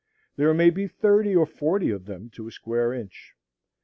There may be thirty or forty of them to a square inch.